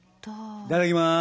いただきます。